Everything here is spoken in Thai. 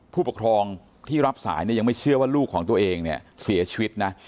ผู้ปกครองที่รับสายเนี่ยยังไม่เชื่อว่าลูกของตัวเองเนี่ยเสียชีวิตนะ